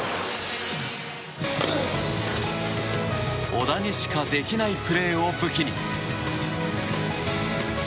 小田にしかできないプレーを武器に。